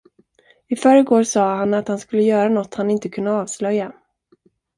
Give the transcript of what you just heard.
I förrgår sa han att han skulle göra nåt han inte kunde avslöja.